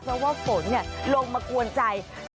เพราะว่าฝนเนี่ยลงมากวนใจ